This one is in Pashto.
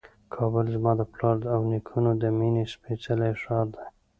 کابل زما د پلار او نیکونو د مېنې سپېڅلی ښار دی.